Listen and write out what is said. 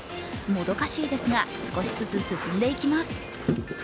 もどかしいですが、少しずつ進んでいきます。